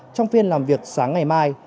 trong phiên làm việc sáng ngày mai